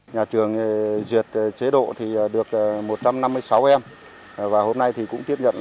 nhà trường duyệt chế độ được một trăm năm mươi sáu em và hôm nay cũng tiếp nhận hơn